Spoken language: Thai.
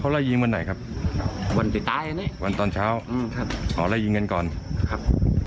แล้วพี่บัญชาให้ไหมครับ